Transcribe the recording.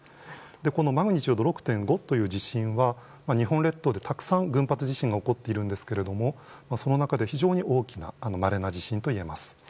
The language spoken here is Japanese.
このマグニチュード６．５という地震は日本列島でたくさん群発地震が起きているんですが非常に大きなまれな地震といえます。